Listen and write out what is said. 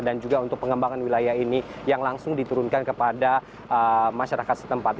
dan juga untuk pengembangan wilayah ini yang langsung diturunkan kepada masyarakat setempat